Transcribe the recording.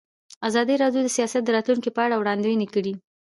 ازادي راډیو د سیاست د راتلونکې په اړه وړاندوینې کړې.